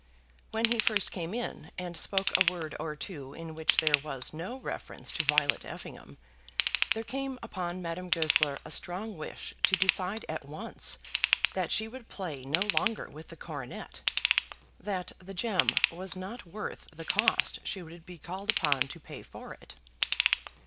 When he first came in and spoke a word or two, in which there was no reference to Violet Effingham, there came upon Madame Goesler a strong wish to decide at once that she would play no longer with the coronet, that the gem was not worth the cost she would be called upon to pay for it.